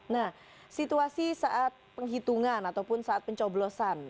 nah situasi saat penghitungan ataupun saat pencoblosan